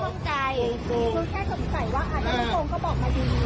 ผมแค่สงสัยว่าเอาแบบนี้ก็บอกมาดี